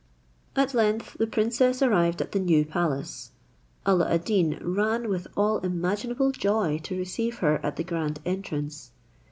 At length the princess arrived at the new palace. Alla ad Deen ran with all imaginable joy to receive her at the grand entrance.